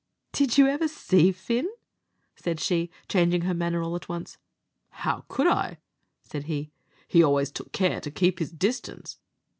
"Did you ever see Fin?" said she, changing her manner all at once. "How could I?" said he; "he always took care to keep his distance."